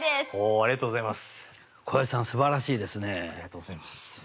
ありがとうございます。